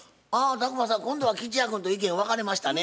宅麻さん今度は吉弥君と意見分かれましたね。